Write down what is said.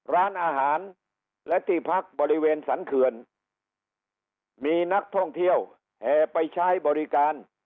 ร้านอาหารและที่พักบริเวณสรรเขื่อนมีนักท่องเที่ยวแห่ไปใช้บริการ